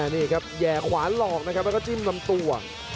นี่ครับแห่ขวาหลอกนะครับแล้วก็จิ้มลำตัว